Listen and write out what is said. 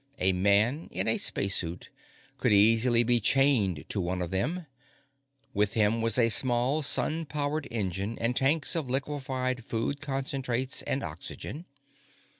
A man in a spacesuit could easily be chained to one of them. With him was a small, sun powered engine and tanks of liquified food concentrates and oxygen.